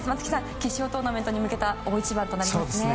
決勝トーナメントに向けた大一番となりますね。